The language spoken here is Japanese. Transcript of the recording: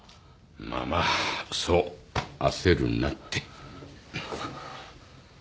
まあまあそう焦るなって。